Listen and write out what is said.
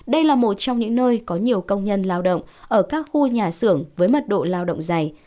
đây là một trong những nơi có nhiều công nhân lao động ở các khu nhà xưởng với mật độ lao động dày